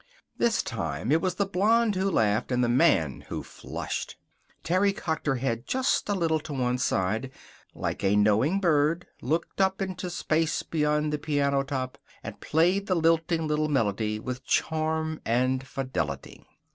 This time it was the blonde who laughed, and the man who flushed. Terry cocked her head just a little to one side, like a knowing bird, looked up into space beyond the piano top, and played the lilting little melody with charm and fidelity.